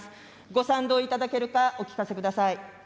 ご賛同いただけるかお聞かせください。